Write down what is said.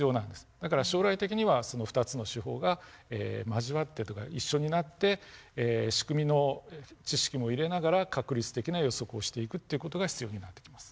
だから将来的には２つの手法が交わってというか一緒になって仕組みの知識も入れながら確率的な予測をしていくっていう事が必要になってきます。